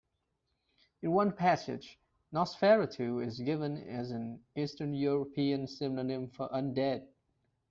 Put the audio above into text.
In one passage, "nosferatu" is given as an "Eastern European" synonym for "un-dead".